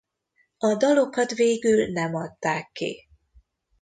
A dalokat végül nem adták ki.